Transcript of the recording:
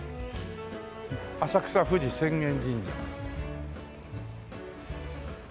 浅草富士浅間神社。